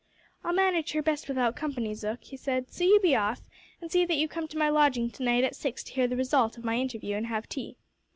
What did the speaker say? "I'll manage her best without company, Zook," he said; "so you be off; and see that you come to my lodging to night at six to hear the result of my interview and have tea."